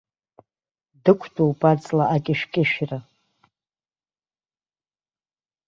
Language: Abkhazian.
Дықәтәоуп аҵла акьышәкьышәра.